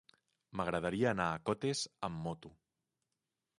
M'agradaria anar a Cotes amb moto.